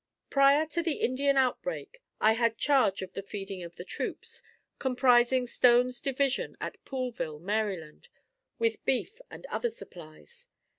Prior to the Indian outbreak, I had charge of the feeding of the troops, comprising Stone's Division at Poolville, Md., with beef and other supplies.